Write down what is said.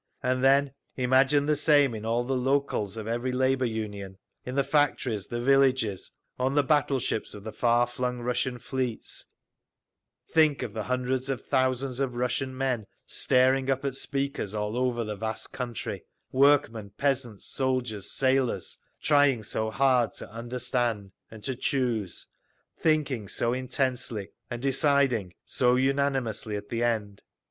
And then imaging the same in all the locals of every labour union, in the factories, the villages, on the battle ships of the far flung Russian fleets; think of the hundreds of thousands of Russian men staring up at speakers all over the vast country, workmen, peasants, soldiers, sailors, trying so hard to understand and to choose, thinking so intensely—and deciding so unanimously at the end.